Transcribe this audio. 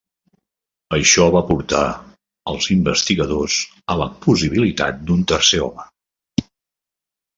Això va portar els investigadors a la possibilitat d'un tercer home.